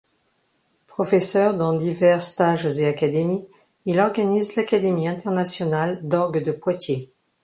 Professeur dans divers stages et académies, il organise l’Académie Internationale d’Orgue de Poitiers.